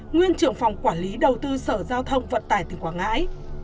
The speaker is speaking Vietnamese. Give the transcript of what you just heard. nguyên trưởng phòng quản lý đầu tư sở giao thông vận tải tỉnh quảng ngãi